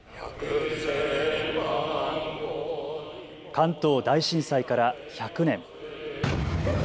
関東大震災から１００年。